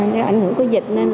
do ảnh hưởng của dịch